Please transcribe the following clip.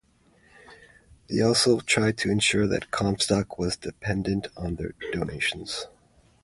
They also tried to ensure that Comstock was dependent on their donations.